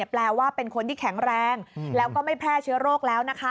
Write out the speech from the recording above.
แปลว่าเป็นคนที่แข็งแรงแล้วก็ไม่แพร่เชื้อโรคแล้วนะคะ